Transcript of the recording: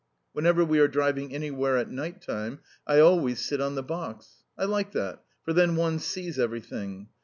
Whenever we are driving anywhere at night time I always sit on the box. I like that, for then one sees everything.